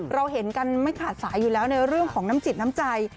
เราเห็นกันไม่ขาดสายอยู่แล้วในเรื่องของน้ำจิตน้ำใจ